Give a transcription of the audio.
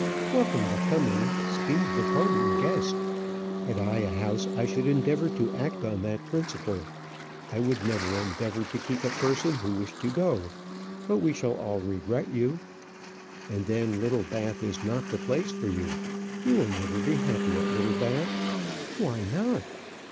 "'Welcome the coming, speed the parting guest.' Had I a house, I should endeavour to act on that principle. I would never endeavour to keep a person who wished to go. But we shall all regret you. And then, Littlebath is not the place for you. You will never be happy at Littlebath." "Why not?"